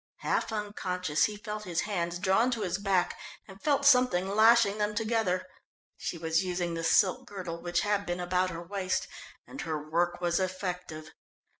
Half unconscious he felt his hands drawn to his back, and felt something lashing them together. She was using the silk girdle which had been about her waist, and her work was effective.